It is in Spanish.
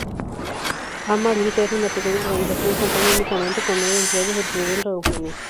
ArmaLite era una pequeña organización, contando únicamente con nueve empleados incluyendo a Eugene.